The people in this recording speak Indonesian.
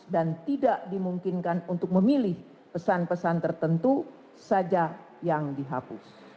dan tidak dimungkinkan untuk memilih pesan pesan tertentu saja yang dihapus